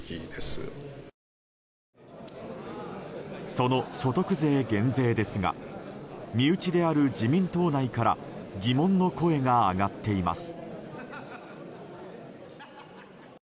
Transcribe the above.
その所得税減税ですが身内である自民党内から疑問の声が上がっています。